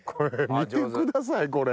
見てくださいこれ。